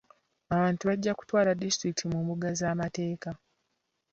Abantu bajja kutwala disitulikiti mu mbuga z'amateeka.